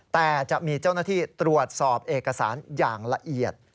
แต่จะมีเจ้าหน้าที่ตรวจสอบเอกสารอย่างละเอียด